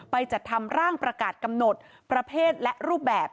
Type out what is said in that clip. จัดทำร่างประกาศกำหนดประเภทและรูปแบบ